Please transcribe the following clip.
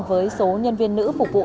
với số nhân viên nữ phục vụ